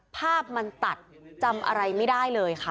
ภาพมันตัดจำอะไรไม่ได้เลยค่ะ